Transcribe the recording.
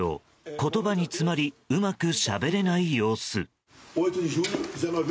言葉に詰まりうまくしゃべれない様子。